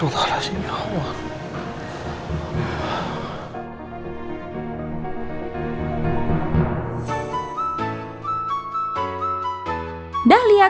sampai jumpa lagi ya allah